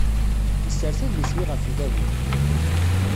Yessers adlis-nni ɣef tdabut.